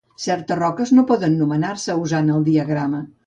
Certes roques no poden nomenar-se usant el diagrama.